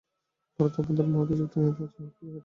ভারতের অভ্যন্তরে মহতী শক্তি নিহিত আছে, উহাকে জাগাইতে হইবে।